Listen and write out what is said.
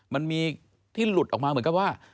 มันมีที่หลุดออกมาเหมือนกับว่า